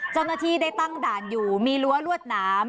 เจ้าหน้าที่ได้ตั้งด่านอยู่มีรั้วรวดหนาม